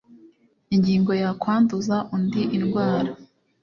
ingingo ya kwanduza undi indwara